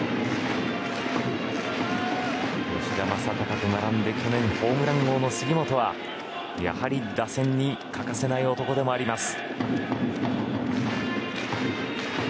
吉田正尚と並んで去年ホームラン王の杉本はやはり打線に欠かせない男でもあります。